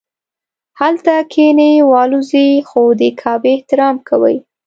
هلته کښیني والوځي خو د کعبې احترام کوي.